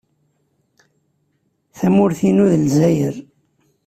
Tamurt-inu d Lezzayer.